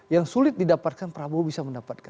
yang sulit didapatkan prabowo bisa mendapatkan